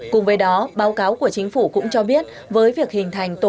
cùng với đó báo cáo của chính phủ cũng cho biết